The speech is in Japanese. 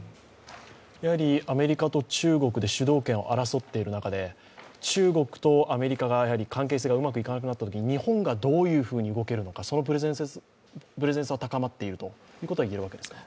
やはりアメリカと中国で主導権を争っている中で、中国とアメリカが関係性がうまくいかなくなったときに日本がどういうふうに動けるのか、そのプレゼンスは高まっているといえるわけですか？